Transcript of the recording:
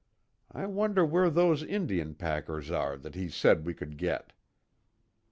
I wonder where those Indian packers are that he said we could get?"